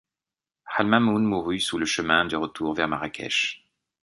Al-Ma'mûn mourut sur le chemin de retour vers Marrakech.